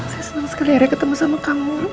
saya senang sekali akhirnya ketemu sama kamu